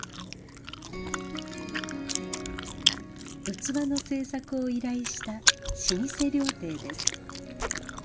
器の制作を依頼した老舗料亭です。